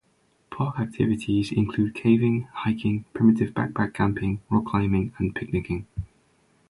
Park activities include caving, hiking, primitive backpack camping, rock climbing and picnicking.